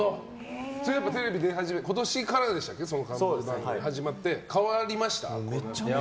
それはテレビに出始めて今年からでしたっけ冠番組始まって、変わりましたか。